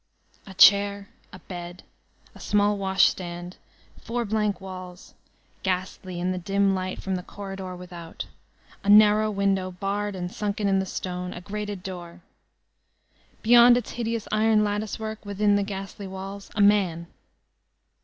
A chair, a bed, a small washstand, four blank walls, ghastly in the dim light from the corridor without, a nar row window, barred and sunken in the stone, a grated doorl Beyond its hideous iron latticework, within the ghastly walls, — ^a man!